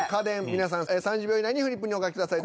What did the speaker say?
皆さん３０秒以内にフリップにお書きください